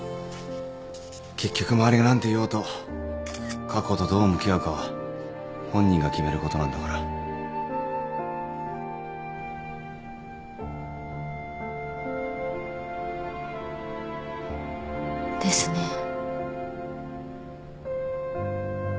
結局周りが何て言おうと過去とどう向き合うかは本人が決めることなんだから。ですね。